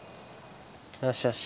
よしよし。